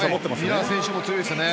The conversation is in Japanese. ミラー選手も強いですね。